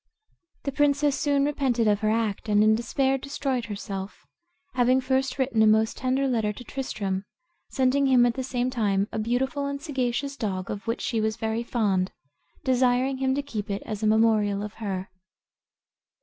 The princess soon repented of her act, and in despair destroyed herself, having first written a most tender letter to Tristram, sending him at the same time a beautiful and sagacious dog, of which she was very fond, desiring him to keep it as a memorial of her.